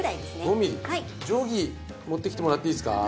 ５ｍｍ定規持ってきてもらっていいですか？